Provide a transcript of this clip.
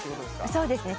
そうですね。